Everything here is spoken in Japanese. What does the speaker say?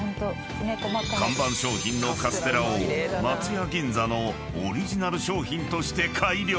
［看板商品のカステラを松屋銀座のオリジナル商品として改良］